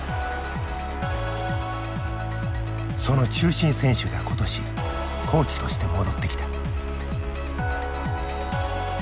その中心選手が今年コーチとして戻ってきた。